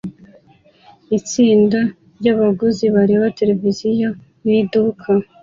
Itsinda ryabaguzi bareba televiziyo mu iduka